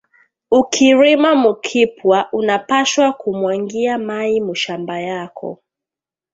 Uki rima mu kipwa una pashwa ku mwangiya mayi mu mashamba yako